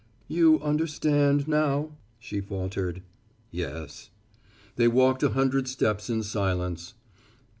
"You understand now?" she faltered. "Yes." They walked a hundred steps in silence.